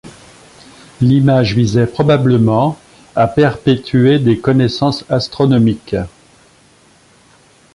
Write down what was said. L'image visait probablement à perpétuer des connaissances astronomiques.